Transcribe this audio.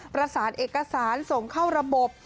ประสานเอกสารส่งเข้าระบบ